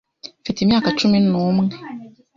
mfite imyaka cumi n’umwe.